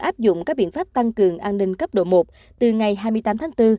áp dụng các biện pháp tăng cường an ninh cấp độ một từ ngày hai mươi tám tháng bốn